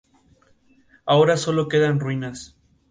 Ahora, sólo quedan ruinas.